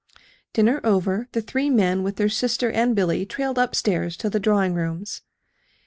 Dinner over, the three men, with their sister and Billy, trailed up stairs to the drawing rooms.